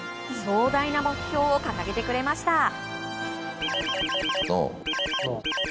壮大な目標を掲げてくれました。